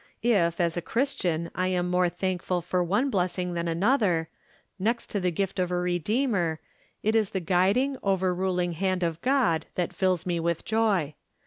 If, as a Christian, I am more thanlrful for one blessing than another, nest to the gift of a Redeemer, it is the guiding, over ruling hand of God that fills me with joy.